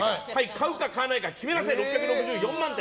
買うか買わないか決めなさいと６６４万。